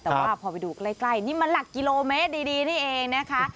แต่ว่าพอไปดูใกล้นี่มันหลักกิโลเมตรดีนี่เองนะคะ